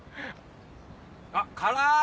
あっ辛い！